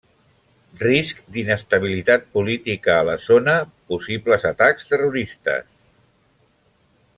Risc d'inestabilitat política a la zona, possibles atacs terroristes.